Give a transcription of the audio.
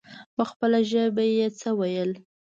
په خپله ژبه يې څه ويل.